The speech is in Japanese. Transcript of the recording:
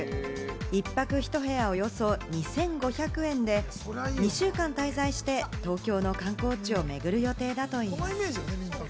１泊１部屋、およそ２５００円で、２週間滞在して東京の観光地を巡る予定だといいます。